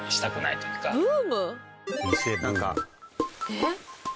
えっ？